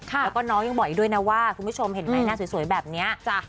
แล้วก็น้องยังบอกอีกด้วยนะว่าคุณผู้ชมเห็นไหมหน้าสวยแบบนี้